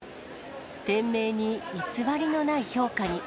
店名に偽りのない評価に。